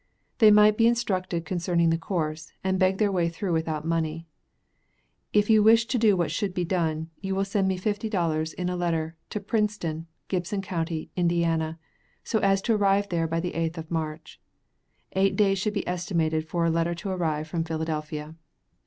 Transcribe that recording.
They might be instructed concerning the course, and beg their way through without money. If you wish to do what should be done, you will send me fifty dollars, in a letter, to Princeton, Gibson county, Inda., so as to arrive there by the 8th of March. Eight days should be estimated for a letter to arrive from Philadelphia.